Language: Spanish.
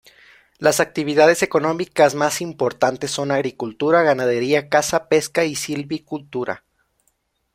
Las actividades económicas más importantes son agricultura, ganadería, caza, pesca y silvicultura.